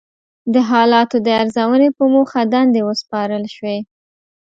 د حالاتو د ارزونې په موخه دندې وسپارل شوې.